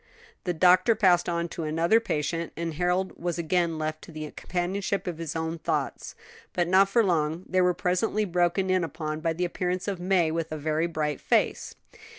The doctor passed on to another patient, and Harold was again left to the companionship of his own thoughts. But not for long; they were presently broken in upon by the appearance of May with a very bright face.